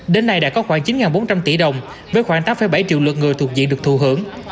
đến nay đã có khoảng chín bốn trăm linh tỷ đồng với khoảng tám bảy triệu lượt người thuộc diện được thù hưởng